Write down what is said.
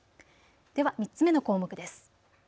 では３つ目の項目です。